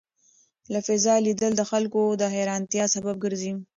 له فضا لیدل د خلکو د حېرانتیا سبب ګرځي.